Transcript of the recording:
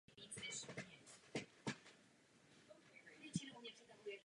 Tož sbohem, Mimi, a zavřete se.